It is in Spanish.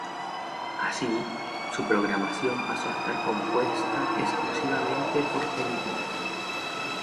Así, su programación pasó a estar compuesta exclusivamente por películas.